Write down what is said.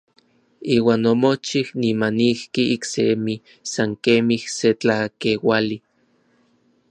Iuan omochij nimanijki iksemi san kemij se tlakeuali.